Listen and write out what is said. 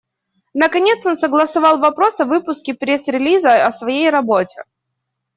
Наконец, он согласовал вопрос о выпуске пресс-релиза о своей работе.